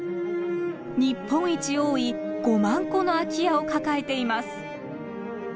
日本一多い５万戸の空き家を抱えています。